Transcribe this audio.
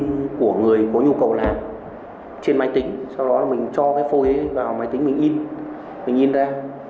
thông tin của người có nhu cầu là trên máy tính sau đó mình cho cái phôi ấy vào máy tính mình in mình in ra